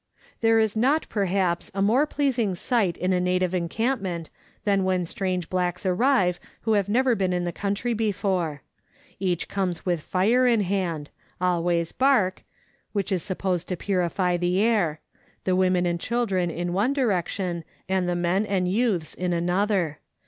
There is not, perhaps, a more pleasing sight in a native encampment than when strange blacks arrive who have never been in the country before. Each comes with fire in hand (always bark), which is supposed to purify the air the women and children in one direction, and the men and youths in another.